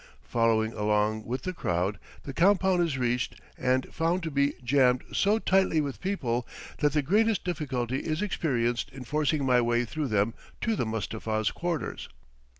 Following along with the crowd, the compound is reached and found to be jammed so tightly with people that the greatest difficulty is experienced in forcing my way through them to the Mustapha's quarters.